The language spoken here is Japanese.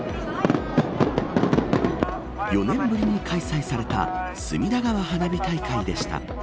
４年ぶりに開催された隅田川花火大会でした。